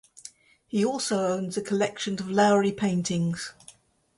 He also owns a collection of Lowry paintings.